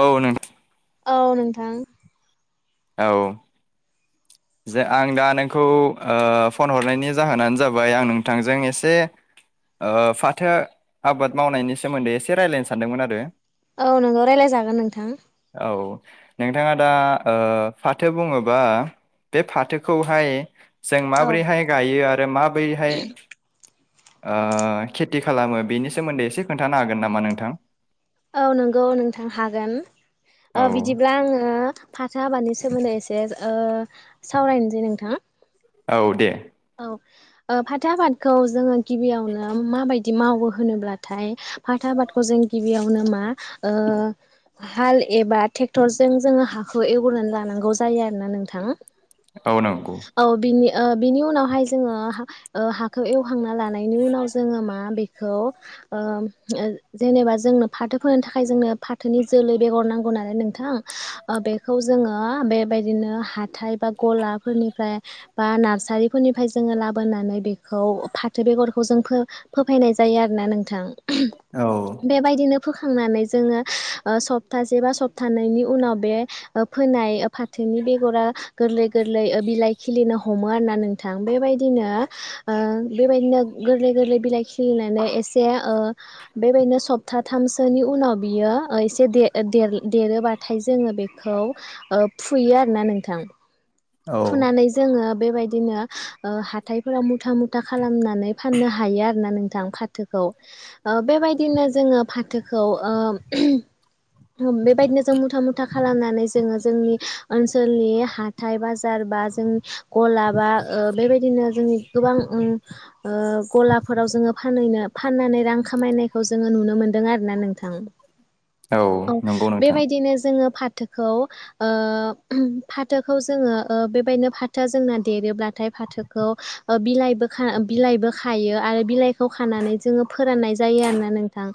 औ नों औ नोंथां औ जे आं दा नोंखौ ओ फन हरनायनि जाहोनानो जाबाय आं नोंथांजों एसे ओ फाथो आबाद मावनायनि सोमोन्दै एसे रायज्लायनो सानदोंमोन आरो औ नोंगौ रायलायजागोन नोंथां औ नोंथाङा दा ओ फाथो बुङोबा बे फाथोखौहाय जों औ माबोरैहाय गायो आरो माबोरैहाय ओ खेति खालामो बेनि सोमोन्दै एसे खोन्थानो हागोन नामा नोंथां औ नंगौ नोंथां हागोन औ ओ बिदिब्ला आङो फाथो आबादनि सोमोन्दै एसे ओ सावरायनोसै नोंथां औ दे औ ओ फाथो आबादखौ जोङो गिबियावनो माबायदि मावो होनोब्लाथाय फाथो आबादखौ जों गिबियाव नो मा ओ हाल एबा ट्रेक्टरजों जोङो हाखौ एवग्रोनानै लानांगौ जायो आरोना नोंथां औ बेनि बेनि उनाव बाहाय जोङो हाखौ एवहांना लानायनि उनाव जोङो मा बे खौ जेनेबा जोंनो फाथो फोरो थाखाय जोंनो फाथोनि जोलै बेगर नांगौ नालाय नोंथां बेखौ जोङो बेबायदिनो हाथाय बा गलाफोरनिफ्राय बा नारारि फोरनिफ्राय जोङो लाबोनानै बेखौ फाथो बेगरखौ जों फोफायनाय जायो आरोोना नोंथां औ बेबायदिनो फोखांनानै जोङो सप्तासे बा सप्तानैनि उनाव बे फोनाय फाथोनि बेगरा गोरलै गोरलै बिलाइ खिलिनो हमो आर ना थां बेबायदिनो बेबायदिनो गोरलै गोरलै बिलाइ खिलिनानै एसे बेबायदिनो सप्ताथामसोनि उनाव बियो एसे देरोबाथाय जोङो बेखौ फुयो आरो ना नोंथां औ फुनानै जोङो बेबायदिनो हाथायफोराव मुथा मुथा खालामनानै फाननो हायो आरोना नोंथां फाथोखौ बेबायदिनो जोङो फाथोखौ बेबायदिनो जों मुथा- मुथा खालामनानै जोङो जोंनि ओनसोलनि हाथाय बा बार बा जों गलाबा बेबायदिनो जोंनि गोबां गलाफोराव जोङो फानहैनो फाननानै रां खामायनायखौ जोङो नुनो मोनदों आरो ना नोंथां औ नंगौ नोंथां बेबायदिनो जोङो फ फाथोखौ - फाथोखौ जोङो बेबायदिनो फाथोआ जोंना देरोब्लाथाय फाथोखौ बिलाइबो बिलाइबो खायो आरो बिलाइ स खानानै जोङो फोराननाय जायो आरोना नोंथां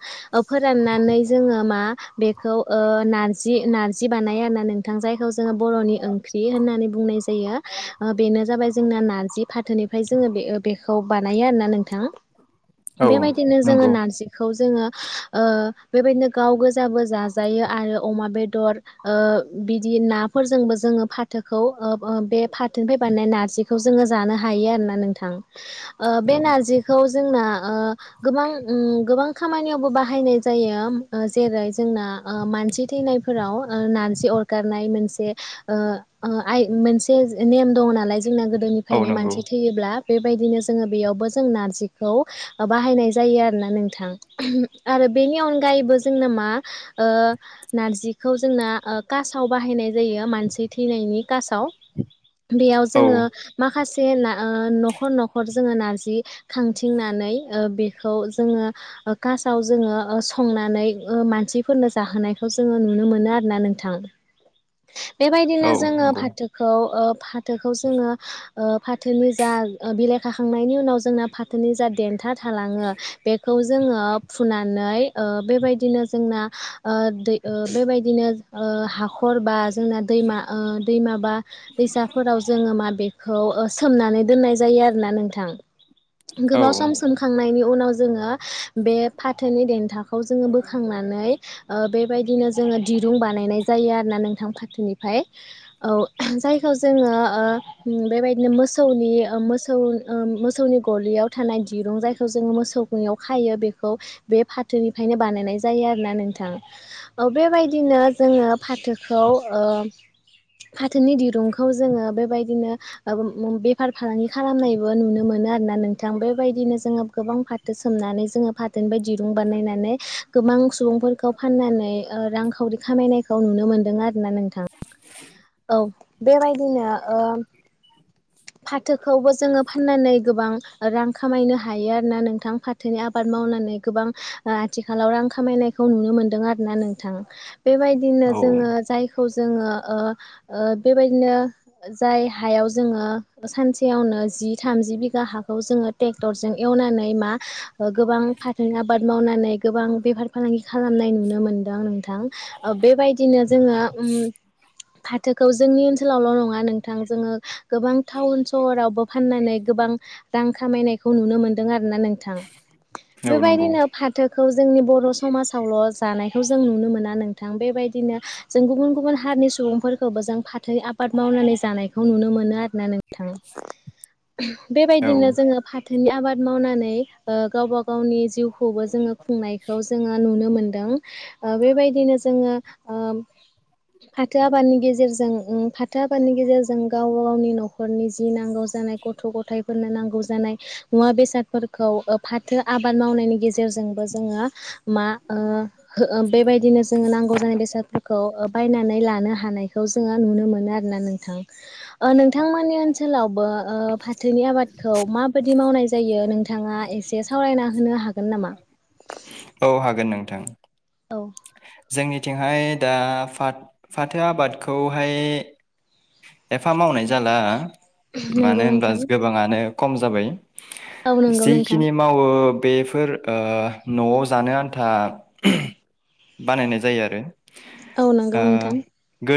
फोराननानै जोङो मा बेखौ नारजि - नारजि बानाय आरोना नोंथां जायखौ जोङो बर'नि ओंख्रि होननानै बुंनाय जायो बेनो जाबाय जोंना नारजि फाथोनिफ्राय जोङो बे बेखौ बानायो आरा नों औ बेबायदिनो जोङो नंगौ नारजिखौ जोङो बेबायदिनो गाव गोजाबो जाजायो आरो अमा बेदर बिदि नाफोरजोंबो जोङो फाथो खौ बे फाथोनिफ्राय बानायनाय नारजिखौ जोङो जानो हायो आरोना नोंथां बे औ नारजिखौ जोंना गोबां गोबां खामानियावबो बाहायनाय जायो जेरै जोंना मानसि थैनायफोराव नारजि अरगनाय मोनसे आइ मोनसे नेम दङ नालाय जोंना औ गोदोनिफ्रायनो नंगौ मानसि थैयोब्ला बेबायदिनो जोङो बेयावबो जों नारजिखौ बाहायनाय जायो आरोोना नोंथां आरो बेनि अनगायैबो जोंना मा नारजिखौ जोंना कासाव बाहायनाय जायो मानसि थैनायनि बेयाव औ जोङो माखासे न'खर - न'खर जोङो नारजि खांथिंनानै बेखौ जोङो कासाव जोङो संनानै मानसिफोरनो जाहोनायखौ जोङो नुनो मोनो आर ना नोंथां औ बेबायदिनो जोङो नंगौ फाथोखौ फाथोखौ जोङो फाथोनि जा बिलाइ खाखांनायनि उनाव जोंना फाथोनि जा देन खोथा थालाङो बे खौ जोङो फुनानै बेबायदिनो जोंना दै बेबायदिनो हाखर बा जों दैमा दै माबा दैसाफोराव जोङो माबेखौ सोमनानै दोननाय जायो आरो नोंथां औ गोबाव सम सोमखांनायनि उनाव ज फाथनि दथखौ जो बोखां बेबायदिनो जोङो दिरुं बानायनाय जायो आरो ना नोंथां फाथोनि हाय औ जायखौ जोङो बेबायदिनो मोसौनि मोसौ मोसौनि गलियाव थानाय दिरुं जायखौ जोङो मोसौ गयाव खायो बेखौ बे फाथोनिफ्राय ओंखायनो बानायनाय जायो आरोोना नोंथां बेबायदिनो जोङो फाथोखौ [inaudible] फाथोनि दिरुंखौ जोङो बेबायदिनो बेफार फालांगि खालामनायबो नुनो मोनो आरो ना नोंथां बेबायदिनो जोङो गोबां फाथो सोमनानै जोङो फाथोनिफ्राय दिरुं बानायनानै गोबां सुबुंफोरखौ फाननानै रांखावरि खामायनायखौ नुनो मोन्दों आरोना नोंथां। औ बेबायदिनो ओ फाथोखौबो जोङो फाननानै गोबां रां खामायनो हायो आरोना नोंथां फाथोनि आबाद मावनानै गोबां आथिखालाव रां खामायनायखौ नुनो मोनदों आरोना नोंथां। बेबायदिनो औ जोङो जायखौ जोङो बेबायदिनो जाय हायाव जोङो सानसेयावनो जि थामजि बिघा हाखौ जोङो ट्रेक्टरजों एवनानै मा गोबां फाथो आबाद मावनानै गोबां बेफार फालांगि खालामनाय नुनो मोनदों नोंथां बेबायदिनो जोङो उम फाथोखौ जोंनि ओनसोलावल' नङा नोंथां जोङो गोबां टाउन सहरावबो फाननानै गोबां रां खामायनायखौ नुनो मोनदों आरोना नोंथां। औ नंगौ बेबायदिनो फाथोखौ जोंनि बर' समाजावल' जानायखौ जों नुनो मोना नोंथां बेबायदिनो जों गुबुन गुबुन हारिनि सुबुंफोरखौबो जों फाथो आबाद मावनानै जानायखौ नुनो मोनो आरो ना नोंथां। औ बेबायदिनो जोङो फाथोनि आबाद मावनानै गावबा गावनि जिउ खौबो जोङो खुंनायखौ जोङो नुनो मोन दों बेबायदिनो जोङो ओ फाथो आबादनि गेजेरजों फाथो आबादनि गेजेरजों गावबा गावनि न'खरनि जि नांगौ जानाय गथ' गथायफोरनो नांगौ जानाय मुवा बेसादफोरखौ फाथो आबाद मावनायनि गेजेरजों बो जोङो मा ओ बेबादिनो जोङो नांगौ जानाय बेसादफोरखौ बायनानै लानो हानायखौ जोङो नुनो मोनो आरोना नोंथां नोंथांमोननि ओनसोलावबो फाथोनि आबादखौ माबायदि मावनाय जायो नोंथाङा एसे सावरायना होनो हागोन नामा? [inaudible] औ हागोन नोंथां जोंनिथिंहाय दा फाट फाथो आबादखौहाय एफा मावनाय जाला मानो नंगौ होनबा नोंथां गोबाङानो खम जाबाय औ नंगौ नोंथां जिखिनि मावो बेफोर न'आव जानो आन्था बानायनाय जायो आरो औ ओ नंगौ नोंथां।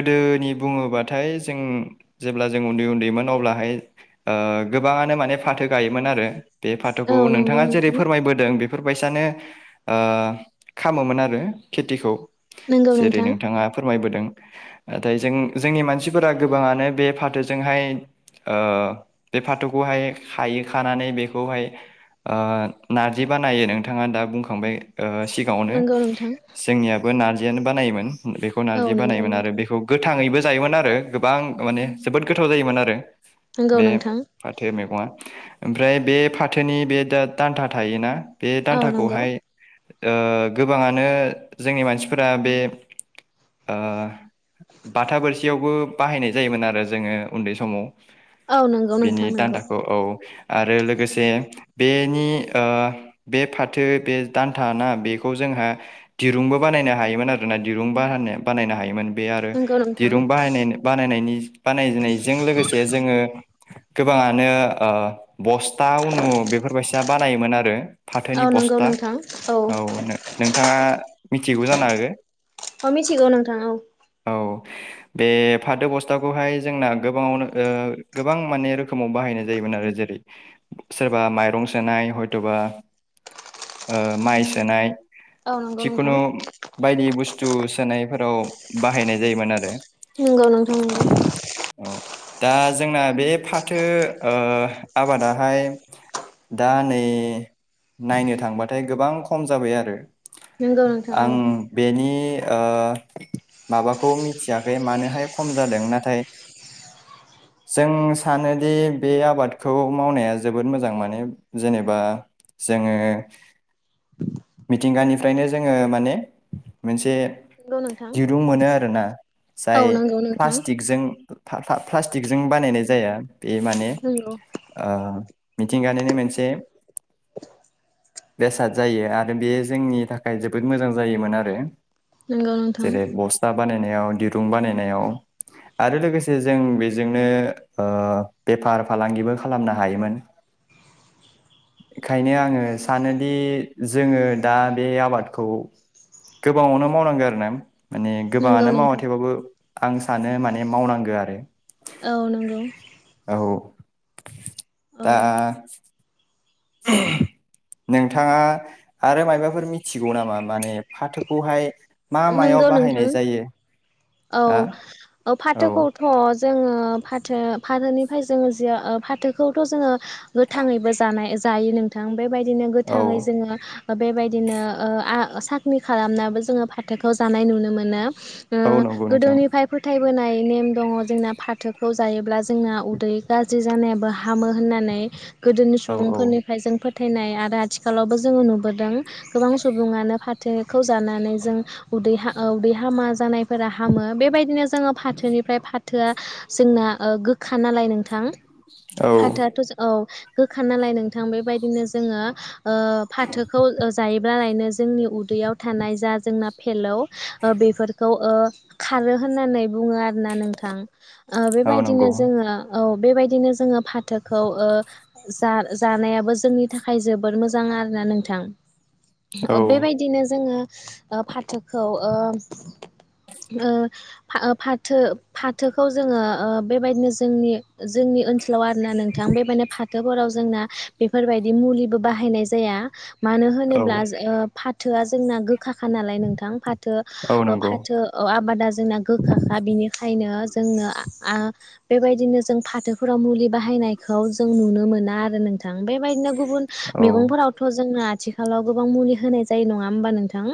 गोदोनि बुङोबाथाय जों जेब्ला जों उन्दै उन्दैमोन अब्लाहाय ओ गोबां नो फाथो गायोमोन आरो बे फाथोखौ औ नंगौ नोंथाङा जेरै नोंथां फोरमायबोदों बेफोरबायसानो खामोमोन आरो खेथिखौ नंगौ जेरै नोंथां नोंथाङा फोर मायबोदों नाथाय जों जोंनि मानसिफोरा गोबाङानो बे फाथोजोंहाय बे फाथौखौहाय खायो खानानै बेखौहाय नारजि बानायो नोंथाङा दा बुंखांबाय सिगाङावनो नंगौ नोंथां जोंनियाबो नारजियानो बानायोमोन बेखौ औ नारजि नंगौ बानायोमोन आरो नोंथां बेखौ गोथाङैबो जायोमोन आरो गोबां माने जोबोद गोथाव जायोमोन आरो नंगौ बे नोंथां फाथो मैगङा ओमफ्राय बे फाथोनि बे दा दान्था थायोना बे औ नंगौ दान्थाखौहाय गोबाङानो जोंनि मानसिफोरा बे ओ बाथा बोरसियावबो बाहायनाय जायोमोन आरो जोङो उन्दै समाव। औ नंगौ बेनि नोंथां नंगौ दान्दाखौ औ। आरो लोगोसे बेनि बे फाथो बे दान्था ना बेखौ जों दिरुंबो बानायनो हायोमोन आरोना दिरुं बानायनो बानायनो हायोमोन। बे आरो नंगौ नोंथां दिरुं बाहायनायनि बानायनायनि बानायनायजों लोगोसे जोङो गोबाङानो बस्था उनु बेफोरबायसा बानायोमोन आरो फाथोनि औ नंगौ बस्था नोंथां औ नोंथाङा मिथिगौ जानो हागौ औ मिथिगौ नोंथां औ औ [inaudible] बे फाथो बस्थाखौहाय जोंना गोबाङावनो ओ गोबां माने रोखोमाव बाहायनाय जायोमोन आरो जेरै सोरबा माइरं सोनाय हयथ'बा ओ माइ सोनाय औ नंगौ जिखुनु नोंथां बायदि बुस्थु सोनायफोराव बाहायनाय जायोमोन आरो नोंगौ नोंथां नोंगौ औ दा जोंना बे फाथो ओ आबादाहाय दा नै नायनो थांबाथाय गोबां खम जाबाय आरो नंगौ नंगौ नोंथां आं औ बेनि ओ माबाखौ मिथियाखै मानोहाय खम जादों नाथाय [inaudible] जों सानोदि बे आबादखौ मावनाया जोबोद मोजां माने जेनेबा जोङो मिथिंगानिफ्रायनो जोङो माने मोनसे नंगौ नोंथां दिरुं मोनो आरोना औ जाय नंगौ नोंथां प्लासटिकजों प्लासटिकजों बानायनाय जाया बे माने नंगौ आ मिथिंगानिनो मोनसे बेसाद जायो आरो बे जोंनि थाखाय जोबोद मोजां जायोमोन आरो नोंगु नोंथां जेरै बस्था बानायनायाव दिरुं बानायनायाव आरो लोगोसे जों बेजोंनो ओ बेफार फालांगिबो खालामनो हायोमोन [inaudible] ओंखायनो आङो सानोदि जोङो दा बे आबाद आबादखौ गोबाङावनो मावनांगौ आरो ना माने नंगौ गोबाङानो मावा नोंथां थेबाबो आं सानो माने मावनांगौ आरो औ नंगौ औ औ दा ओम नोंथाङा आरो मायाबाफोर मिथिगौ नामा माने फाथोखौहाय मा नंगौ मायाव नोंथां बाहायनाय जायो हा औ औ फाथोखौथ' जोङो फाथो फाथोनिफ्राय जोङो जि फाथोखौथ' जोङो गोथाङैबो जानाय जायो नोंथां बेबायदिनो औ गोथाङै जोङो बेबायदिनो ओ आ साखनि खालामनाबो जोङो फाथोखौ जानाय नुनो मोनो ओ औ नंगौ नोंथां गोदोनिफ्राय फोथायबोनाय नेम दङ जोंना फाथोखौ जायोब्ला जों जोंना उदै गाज्रि जानायाबो हामो होननानै गोदोनि औ औ सुबुंफोरनिफ्राय जों फो फोथायनाय आरो आथिखालावबो जोङो नुबोदों गोबां सुबुङानो फाथोखौ जानानै जों उदै आ उदै हामा जानायफोरा फाहामो बेबायदिनो जोङो फाथोनिफ्राय फाथोआ जोंना गोखा नालाय नोंथां औ फाथोआथ' औ गोखा नालाय नोंथां बेबायदिनो जोङो ओ फाथोखौ जायोब्ला लायनो जोंनि उदैयाव थानाय जा जोंना फेलौ बेफोरखौ खारो होननानै बुङो आरो ना नोंथां ओ औ नंगौ बेबायदिनो जोङो औ बेबायदिनो जोङो फाथोखौ ओ जा जानायाबो जोंनि थाखाय जोबोद मोजां मोजां आरोना नोंथां औ बेबायदिनो जोङो ओ फाथोखौ ओ ओ फाथो फाथोखौ जोङो बेबायदिनो जोंनि जोंनि ओनसोलाव आरो ना नोंथां बे माने फाथ फाथोफोराव जोंना बेफोरबायदि मुलिबो बाहायनाय जाया मानो औ होनोब्ला जो ओ फाथोआ जोंना गोखाखा नालाय नोंथां फाथो औ ओ नंगौ फाथो आबादा जोंना गोखाखा बिनिखायनो जोंनो बेबायदिनो जों फाथोफोराव मुलि बाहायनायखौ जों नुनो मोना आरो नों नोंथां बेबायदिनो गुबुन औ मैगंफोरावथ' जोंनो आथिखालाव गोबां मुलि होनाय जायो नङा होमबा नोंथां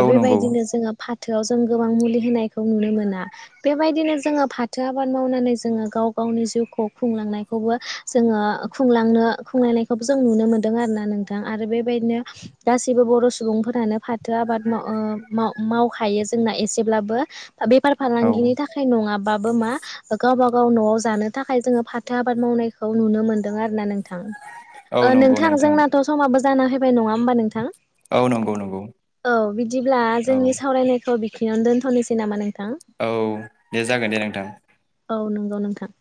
औ नंगौ बेबायदिनो जोङो फाथोआव जों गोबां मुलि होनायखौ नुनो मोना बेबायदिनो जोङो फाथो आबाद मावनानै जोङो गाव गावनि जिउखौ खुंलांनायखौबो जोङो खुंनो खुंलांनायखौबो जों नुनो मोनदों आरोना नोंथां आरो बेबायदिनो गासैबो बर' सुबुंफोरानो फारि फाथो आबाद माव मावखायो जोंना एसेब्लाबो बेफार औ फालांगिनि थाखाय नङाबा मा गावबा गाव न'आव जानो थाखाय जोङो फाथो आबाद मावनायखौ नुनो मोनदों आरो नोंथां औ नंगौ नोंथां जोंनाथ' समाबो जाना फैबाय नङा होमबा नोंथां औ नंगौ नंगौ औ बिदिब्ला औ जोंनि सावरायनायखौ दोनथ'नोसै नामा नों औ दे जागोन दे नोंथां औ नंगौ नोंथां